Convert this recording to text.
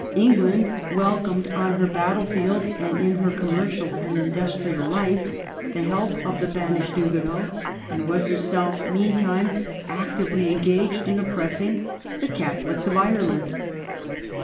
England welcomed on her battle fields and in her commercial and industrial life the help of the banished Huguenots, and was herself meantime actively engaged in oppressing the Catholics of Ireland.